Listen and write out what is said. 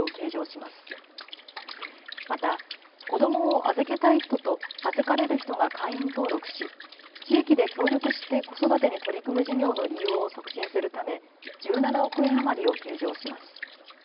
また子どもを預けたい人と預かれる人が会員登録し地域で協力して子育てに取り組む事業の利用を促進するため１７億円余りを計上します。